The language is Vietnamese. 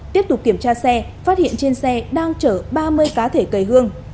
tiếp tục kiểm tra xe phát hiện trên xe đang chở ba mươi cá thể cây hương